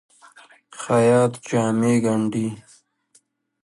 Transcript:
خیاط جامې ګنډي.